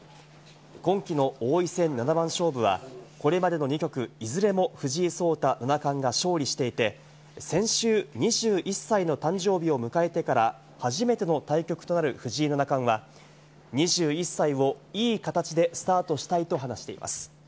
今期の王位戦七番勝負は、これまでの２局、いずれも藤井聡太七冠が勝利していて、先週２１歳の誕生日を迎えてから初めての対局となる藤井七冠は、２１歳をいい形でスタートしたいと話しています。